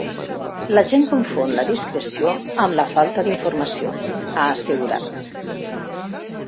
La gent confon la discreció amb la falta d’informació, ha assegurat.